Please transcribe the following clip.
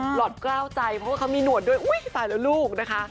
หลอดกล้าวใจเพราะว่าเขามีหนวดด้วยอุ๊ยตายแล้วลูกนะคะ